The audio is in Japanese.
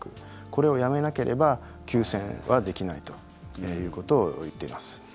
これをやめなければ休戦はできないということを言っています。